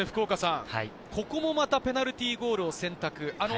ここもまたペナルティーゴールを選択。